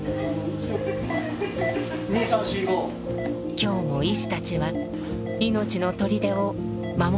今日も医師たちは「命の砦」を守り続けています。